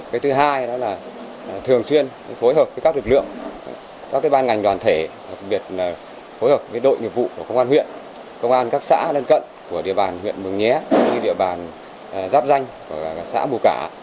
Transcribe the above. cái thứ hai là thường xuyên phối hợp với các lực lượng các ban ngành đoàn thể phối hợp với đội nhiệm vụ của công an huyện công an các xã lên cận của địa bàn huyện mường nhé địa bàn giáp danh của xã mù cả